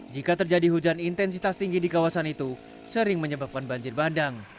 jika terjadi hujan intensitas tinggi di kawasan itu sering menyebabkan banjir bandang